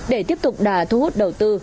để tiếp tục đà thu hút đầu tư